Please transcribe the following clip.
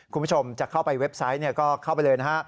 คุณผู้ชมจะเข้าไปเว็บไซต์ก็เข้าไปเลยนะฮะ